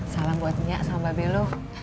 salam buat nyak sama mbak beluh